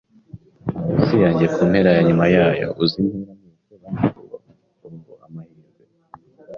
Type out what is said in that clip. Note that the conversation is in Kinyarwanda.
hawse yanjye kumpera yanyuma yayo? Uzi inzira; mwese banyakubahwa o 'amahirwe,